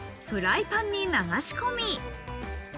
フライパンに流し込み。